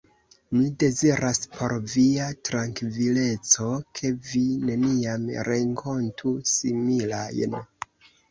Mi deziras, por via trankvileco, ke vi neniam renkontu similajn.